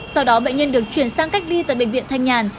sau đó bệnh nhân được chuyển sang cách ly tại bệnh viện thanh nhàn